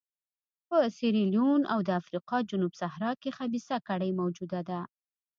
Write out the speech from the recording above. په سیریلیون او د افریقا جنوب صحرا کې خبیثه کړۍ موجوده ده.